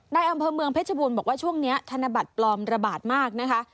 ในอำเภอเมืองเพชรบูรณ์บอกว่าช่วงนี้ธนบัตรปลอมระบาดมากนะคะ